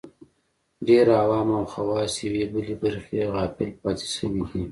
ډېر عوام او خواص یوې بلې برخې غافل پاتې شوي دي